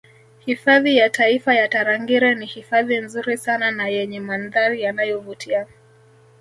Hifadhi ya taifa ya Tarangire ni hifadhi nzuri sana na yenye mandhari yanayovutia